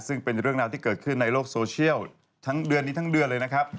ซึ่งเป็นเรื่องราวที่เกิดขึ้นในโลกโซเชียลทั้งเดือนนี้ทั้งเดือนเลยนะครับ